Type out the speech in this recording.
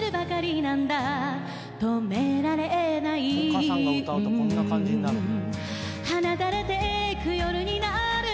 丘さんが歌うとこんな感じになるんだ。